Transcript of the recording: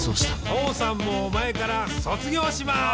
「父さんもお前から卒業します！」